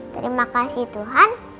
terima kasih tuhan